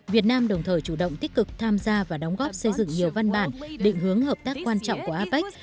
việt nam đồng thời chủ động tích cực tham gia và đóng góp xây dựng nhiều văn bản định hướng hợp tác quan trọng của apec